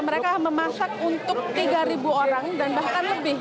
mereka memasak untuk tiga orang dan bahkan lebih